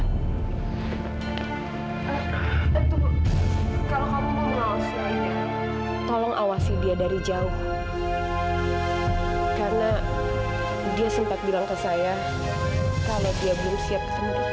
tentu tolong awasi dia dari jauh karena dia sempat bilang ke saya kalau dia belum siap ketemu